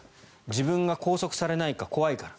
自分が拘束されないか怖いから。